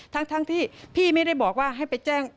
ทั้งที่พี่ไม่ได้บอกว่าให้ไปแจ้ง